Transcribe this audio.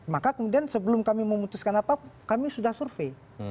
maka kemudian sebelum kami memutuskan apa kami sudah survei